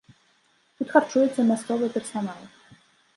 Тут харчуецца мясцовы персанал.